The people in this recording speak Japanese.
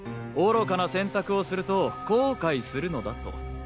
愚かな選択をすると後悔するのだと。